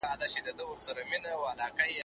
آیا معلومات مو له باوري سرچینو دي؟